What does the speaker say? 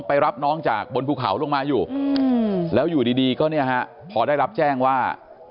รับน้องจากบนภูเขาลงมาอยู่แล้วอยู่ดีก็เนี่ยฮะพอได้รับแจ้งว่า